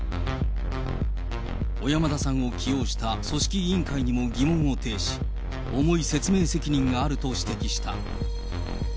小山田さんを起用した組織委員会にも疑問を呈し、重い説明責任があると指摘した。